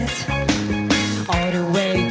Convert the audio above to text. โตได้